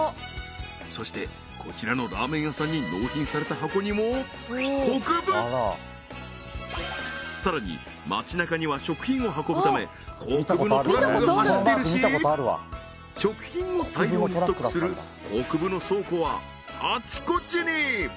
そしてこちらのラーメン屋さんに納品された箱にも「国分」さらに街なかには食品を運ぶため国分のトラックが走ってるし食品を大量にストックする国分の倉庫はあちこちに！